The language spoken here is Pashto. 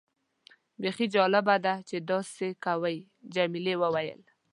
بیخي جالبه ده چې داسې کوي. جميلې وويل:.